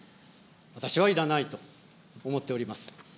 私はいらないと思っております。